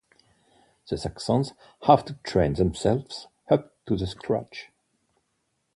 The Saxons have to train themselves up to the scratch.